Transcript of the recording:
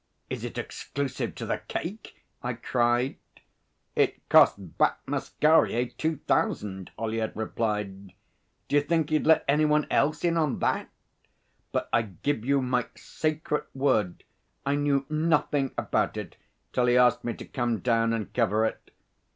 'Is it exclusive to The Cake?' I cried. 'It cost Bat Masquerier two thousand,' Ollyett replied. 'D'you think he'd let any one else in on that? But I give you my sacred word I knew nothing about it till he asked me to come down and cover it.